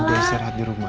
udah siap di rumah